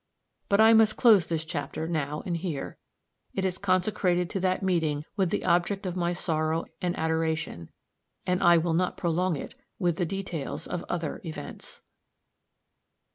But I must close this chapter now and here it is consecrated to that meeting with the object of my sorrow and adoration, and I will not prolong it with the details of other events.